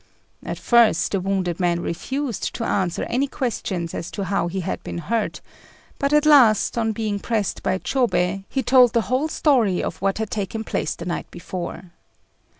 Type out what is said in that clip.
At first the wounded man refused to answer any questions as to how he had been hurt; but at last, on being pressed by Chôbei, he told the whole story of what had taken place the night before.